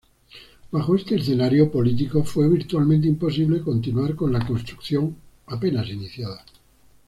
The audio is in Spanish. Bajo este escenario político, fue virtualmente imposible continuar con la construcción apenas iniciada.